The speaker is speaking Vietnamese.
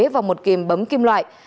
và một kìm bấm kim loại